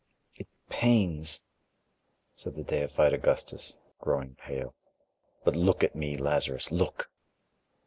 "It pains," said the deified Augustus, growing pale. "But look at me, Lazarus, look."